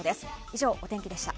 以上、お天気でした。